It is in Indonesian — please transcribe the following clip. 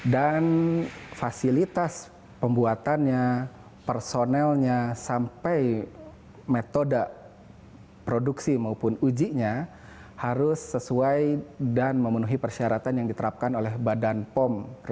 dan fasilitas pembuatannya personelnya sampai metode produksi maupun ujinya harus sesuai dan memenuhi persyaratan yang diterapkan oleh badan pom